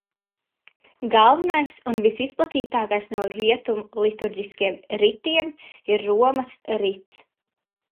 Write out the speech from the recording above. Galvenais un visizplatītākais no rietumu liturģiskiem ritiem ir Romas rits.